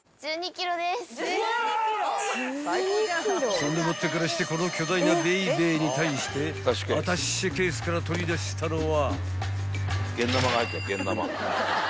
［そんでもってからしてこの巨大なベイベーに対してアタッシェケースから取り出したのは］